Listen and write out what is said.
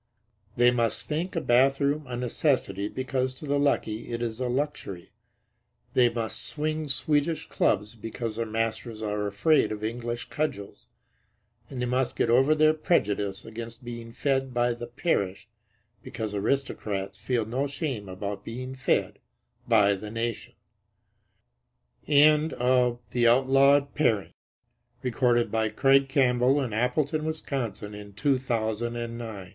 They must think a bathroom a necessity because to the lucky it is a luxury; they must swing Swedish clubs because their masters are afraid of English cudgels; and they must get over their prejudice against being fed by the parish, because aristocrats feel no shame about being fed by the nation. XIV. FOLLY AND FEMALE EDUCATION It is the same in the case of girls. I am often solemnly asked